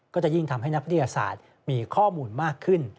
ก็จะยิ่งทำให้นักวิทยาศาสตร์มีข้อมูลมากขึ้น